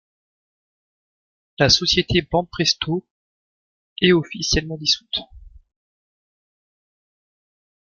La société Banpresto et officiellement dissoute.